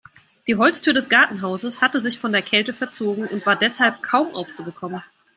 Die Holztür des Gartenhauses hatte sich von der Kälte verzogen und war deshalb kaum aufzubekommen.